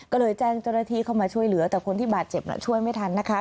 ก็เลยแจ้งเจ้าหน้าที่เข้ามาช่วยเหลือแต่คนที่บาดเจ็บช่วยไม่ทันนะคะ